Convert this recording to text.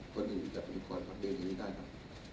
คนอื่นอย่างกับอันดับเด็กนี้ได้ครับ